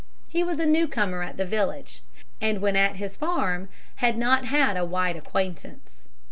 He was a newcomer at the village, and when at his farm had not had a wide acquaintance.